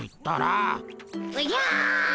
おじゃ！